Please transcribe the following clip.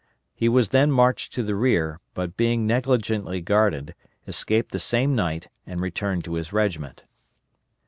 He was then marched to the rear, but being negligently guarded, escaped the same night and returned to his regiment.